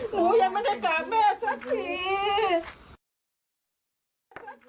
หนูยังไม่ได้กราบแม่สักที